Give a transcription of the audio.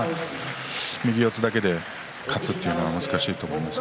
右四つだけで勝つというのは難しいと思います。